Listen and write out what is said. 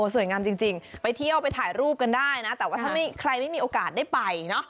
สวยงามจริงไปเที่ยวไปถ่ายรูปกันได้นะแต่ว่าถ้าใครไม่มีโอกาสได้ไปเนอะ